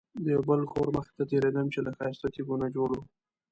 د یو بل کور مخې ته تېرېدم چې له ښایسته تیږو نه جوړ و.